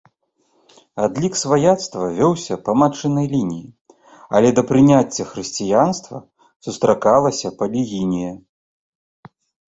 Адлік сваяцтва вёўся па матчынай лініі, але да прыняцця хрысціянства сустракалася палігінія.